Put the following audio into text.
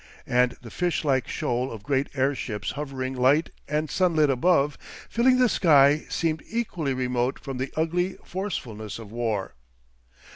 And the fish like shoal of great airships hovering light and sunlit above, filling the sky, seemed equally remote from the ugly forcefulness of war.